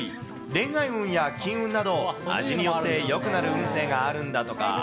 恋愛運や金運など、味によってよくなる運勢があるんだとか。